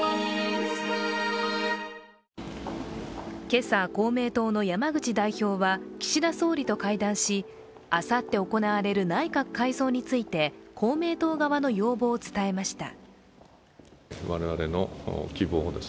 今朝、公明党の山口代表は岸田総理と会談しあさって行われる内閣改造について公明党側の要望を伝えました。